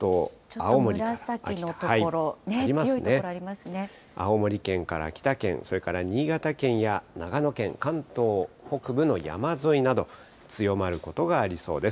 青森県から秋田県、それから新潟県や長野県、関東北部の山沿いなど、強まることがありそうです。